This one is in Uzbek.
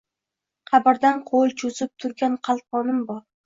Qabrdan qo’l cho’zib turgan qalqonim bor…